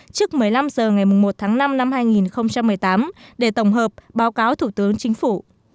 trước một mươi năm h ngày một tháng năm năm hai nghìn một mươi tám để tổng hợp báo cáo thủ tướng chính phủ